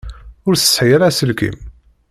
Ur tesɛi ara aselkim.